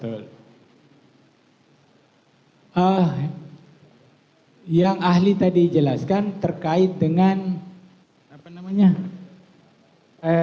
hai ah yang ahli tadi jelaskan terkait dengan apa namanya eh